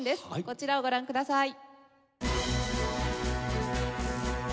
こちらをご覧ください。